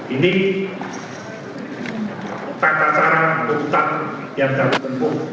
ini peta cara untuk tetap yang terhubung